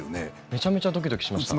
めちゃめちゃドキドキしました。